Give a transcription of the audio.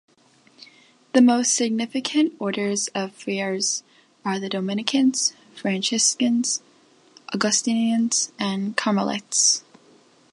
The most significant orders of friars are the Dominicans, Franciscans, Augustinians and Carmelites.